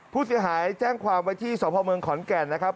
ผู้เสียหายแจ้งความไว้ที่สพเมืองขอนแก่นนะครับ